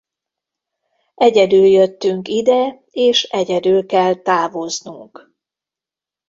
Egyedül jöttünk ide és egyedül kell távoznunk.